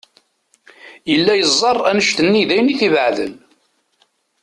Yella yeẓẓar annect-nni d ayen i t-ibeɛden.